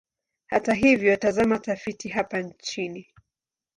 Hata hivyo, tazama tafiti hapa chini.